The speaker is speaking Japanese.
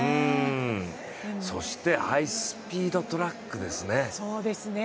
そしてハイスピードトラックですね。